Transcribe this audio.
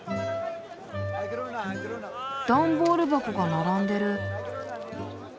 段ボール箱が並んでる。